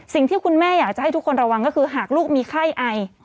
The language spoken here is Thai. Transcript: สิ่งที่คุณแม่อยากจะให้ทุกคนระวังก็คือหากลูกมีไข้ไอ